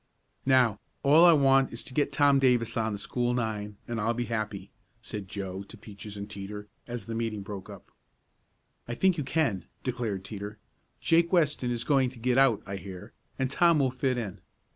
"Now, all I want is to get Tom Davis on the school nine, and I'll be happy," said Joe to Peaches and Teeter, as the meeting broke up. "I think you can," declared Teeter. "Jake Weston is going to get out, I hear, and Tom will fit in.